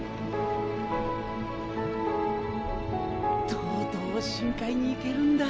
とうとう深海に行けるんだ！